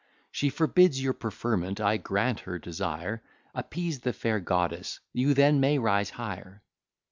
She forbids your preferment; I grant her desire. Appease the fair Goddess: you then may rise higher."